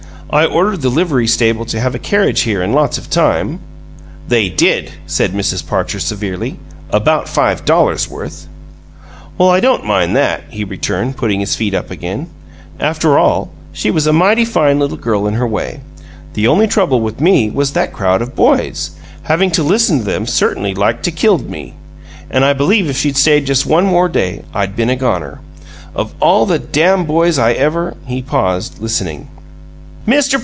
"I ordered the livery stable to have a carriage here in lots of time." "They did," said Mrs. Parcher, severely. "About five dollars' worth." "Well, I don't mind that," he returned, putting his feet up again. "After all, she was a mighty fine little girl in her way. The only trouble with me was that crowd of boys; having to listen to them certainly liked to killed me, and I believe if she'd stayed just one more day I'd been a goner! Of all the dam boys I ever " He paused, listening. "Mr.